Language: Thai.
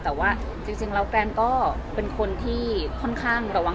อ๋อก็อาจจะต้องระวังตัวมากขึ้นนะคะ